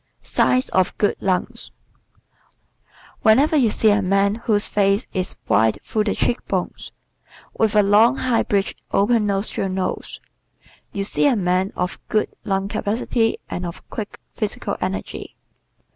Signs of Good Lungs ¶ Whenever you see a man whose face is wide through the cheek bones with a long, high bridged open nostrilled nose you see a man of good lung capacity and of quick physical energy.